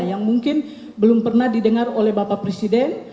yang mungkin belum pernah didengar oleh bapak presiden